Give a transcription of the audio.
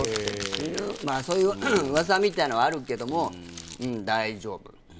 死ぬそういう噂みたいなのはあるけども大丈夫って。